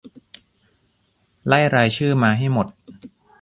ไล่รายชื่อมาให้หมด